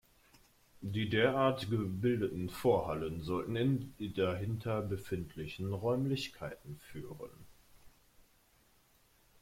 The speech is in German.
Die derart gebildeten Vorhallen sollten in dahinter befindliche Räumlichkeiten führen.